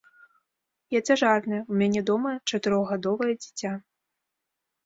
Я цяжарная, у мяне дома чатырохгадовае дзіця.